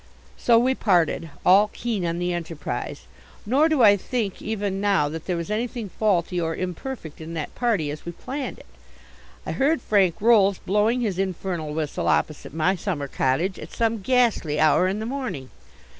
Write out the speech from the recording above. So we parted, all keen on the enterprise. Nor do I think even now that there was anything faulty or imperfect in that party as we planned it. I heard Frank Rolls blowing his infernal whistle opposite my summer cottage at some ghastly hour in the morning.